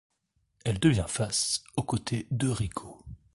Elle devient face aux côtés de Rico.